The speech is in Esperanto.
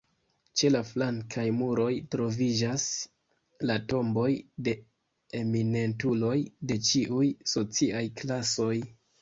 Ĉe la flankaj muroj troviĝas la tomboj de eminentuloj de ĉiuj sociaj klasoj.